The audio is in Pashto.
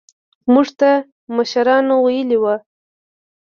موږ ته مشرانو ويلي وو.